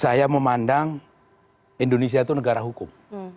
saya memandang indonesia itu negara hukum